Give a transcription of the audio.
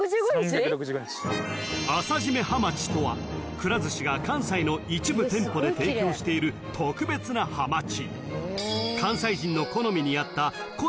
［くら寿司が関西の一部店舗で提供している特別なはまち］